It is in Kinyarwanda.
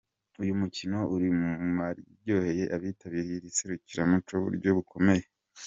Uyu mukino uri mu yaryoheye abitabiriye iri serukiramuco mu buryo bukomeye.